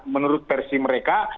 menurut versi mereka